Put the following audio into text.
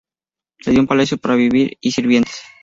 Le dio un palacio para vivir, y sirvientes.